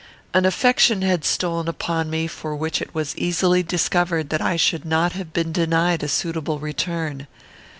An affection had stolen upon me, for which it was easily discovered that I should not have been denied a suitable return.